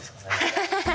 ハハハハ！